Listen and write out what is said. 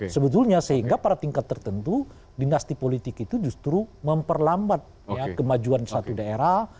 sebetulnya sehingga pada tingkat tertentu dinasti politik itu justru memperlambat kemajuan satu daerah